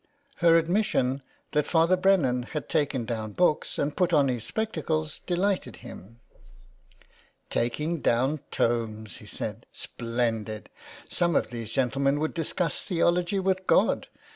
" Her admission that Father Brennan had taken down books and put on his spectacles delighted him. *' Taking down tomes!" he said. " Splendid ! Some of these gentlemen would discuss theology with God.